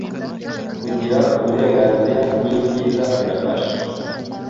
Kugira Uburenganzira n’ibyiza birafasha